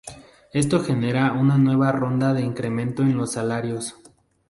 Esto genera una nueva ronda de incremento en los salarios.